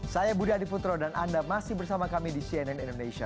saya budi adiputro dan anda masih bersama kami di cnn indonesia